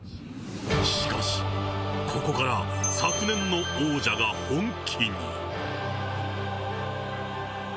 しかしここから昨年の王者が本気に。